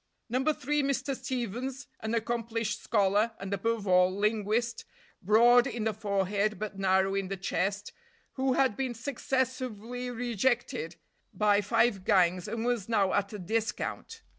No. 3, Mr. Stevens, an accomplished scholar, and, above all, linguist, broad in the forehead but narrow in the chest, who had been successively rejected by five gangs and was now at a discount.